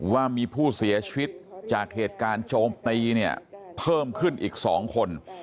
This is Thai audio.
ว่ามีผู้เสียชีวิตจากเหตุการณ์โจมตีเนี่ยเพิ่มขึ้นอีก๒คน